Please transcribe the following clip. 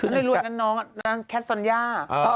นางรวยนั่นน้องแคทซอลย่า